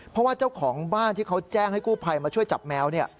เพราะว่าเจ้าของบ้านที่เขาแจ้งให้กู้ภัยมาช่วยจับแมว